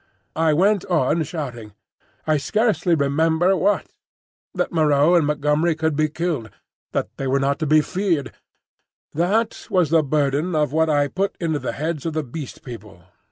I went on shouting, I scarcely remember what,—that Moreau and Montgomery could be killed, that they were not to be feared: that was the burden of what I put into the heads of the Beast People.